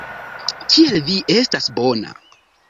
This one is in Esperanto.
Kiel vi estas bona.